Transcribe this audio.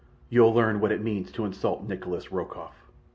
You'll learn what it means to insult Nikolas Rokoff."